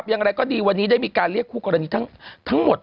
อย่างไรก็ดีวันนี้ได้มีการเรียกคู่กรณีทั้งหมด